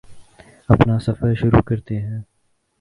اپنا سفر شروع کرتے ہیں